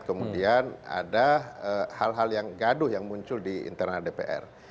kemudian ada hal hal yang gaduh yang muncul di internal dpr